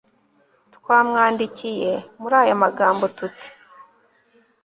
twamwandikiye muri aya magambo tuti